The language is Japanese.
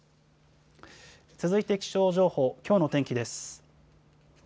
続いて気象情報、きょうの天気です。